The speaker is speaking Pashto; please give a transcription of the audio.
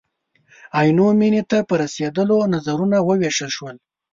عینو مېنې ته په رسېدلو نظرونه ووېشل شول.